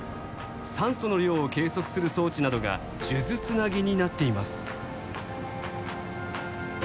酸素の量を計測する装置などが数珠つなぎになっています。